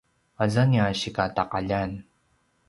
aza nia sikataqaljan